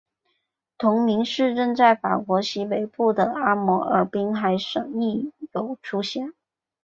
同名市镇在法国西北部的阿摩尔滨海省亦有出现。